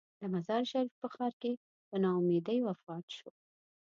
د مزار شریف په ښار کې په نا امیدۍ وفات شو.